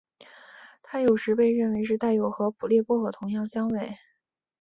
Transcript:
它有时候被认为是带有和普列薄荷同样香味。